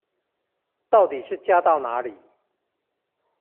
到底是加到哪裡